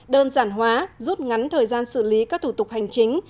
đơn giản hóa rút ngắn thời gian xử lý các thủ tục hành chính